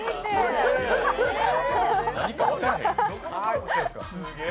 何か分からへんな。